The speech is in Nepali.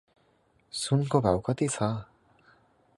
सुनको भाउ कति छ?